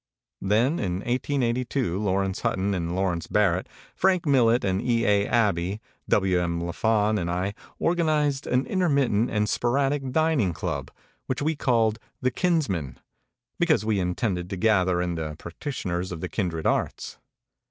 Then in 1882 Laurence Hutton and Lawrence Barrett, Frank Millet and E. A. Abbey, W. M. Laffan and I organized an intermittent and sporadic dining club, which we called The Kins men, because we intended to gather in the prac titioners of the kindred arts.